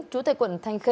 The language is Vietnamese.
chủ tịch quận thanh khê